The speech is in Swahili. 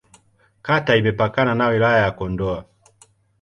Kata imepakana na Wilaya ya Kondoa.